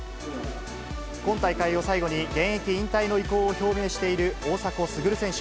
今大会を最後に、現役引退の意向を表明している大迫傑選手。